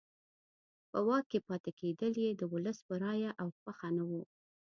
په واک کې پاتې کېدل یې د ولس په رایه او خوښه نه وو.